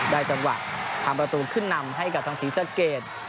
จังหวะทำประตูขึ้นนำให้กับทางศรีสะเกด